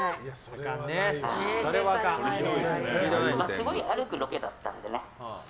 すごい歩くロケだったんでね。